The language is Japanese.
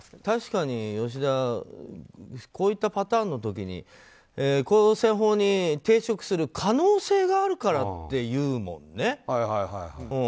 確かに吉田こういったパターンの時に公選法に抵触する可能性があるからって言うもんね。